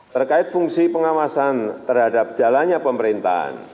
terkait fungsi pengawasan terhadap jalannya pemerintahan